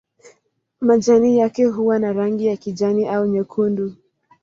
Majani yake huwa na rangi ya kijani au nyekundu.